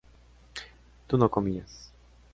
tú no comías